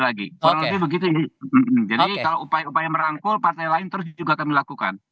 jadi kalau upaya upaya merangkul partai lain terus juga kami lakukan